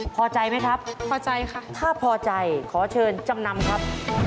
พอใจไหมครับพอใจค่ะถ้าพอใจขอเชิญจำนำครับ